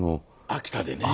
秋田でね。